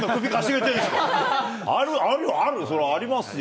ありますよ。